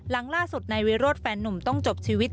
หลังล่าสุดนายวิโรธแฟนนุ่มต้องจบชีวิต